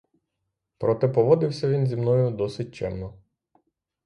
Проте поводився він зі мною досить чемно.